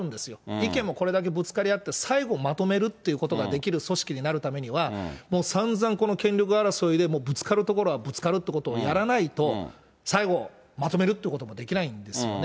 意見もこれだけぶつかり合って、最後まとめるっていうことができる組織になるためには、もうさんざんこの権力争いでもうぶつかるところはぶつかるっていうところをやらないと、最後、まとめるってことができないんですよね。